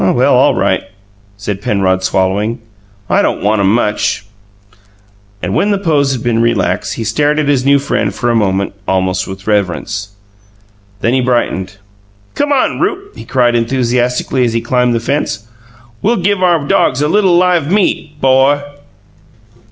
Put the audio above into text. "Well, all right," said Penrod, swallowing. "I don't want 'em much." And when the pose had been relaxed, he stared at his new friend for a moment, almost with reverence. Then he brightened. "Come on, Rupe!" he cried enthusiastically, as he climbed the fence. "We'll give our dogs a little live meat 'bo!"